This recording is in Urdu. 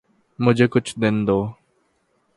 مجھے کچھ دن دو۔